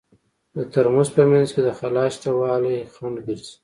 د ترموز په منځ کې د خلاء شتوالی خنډ ګرځي.